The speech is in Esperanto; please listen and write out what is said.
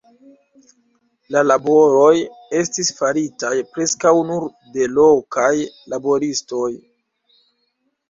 La laboroj estis faritaj preskaŭ nur de lokaj laboristoj.